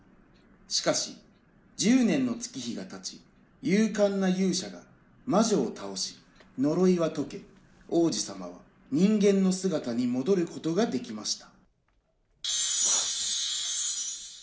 しかし１０年の月日がたち勇敢な勇者が魔女を倒し呪いはとけ王子様は人間の姿に戻ることができました